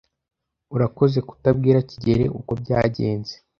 Urakoze kutabwira kigeli uko byagenze.